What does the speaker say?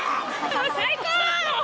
もう最高！